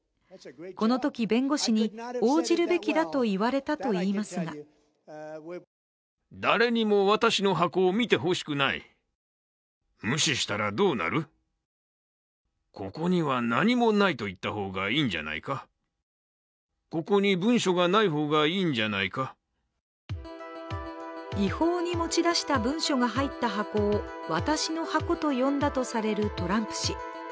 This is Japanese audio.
このとき、弁護士に応じるべきだといわれたといいますが違法に持ち出した文書が入った箱を私の箱と呼んだとされるトランプ氏。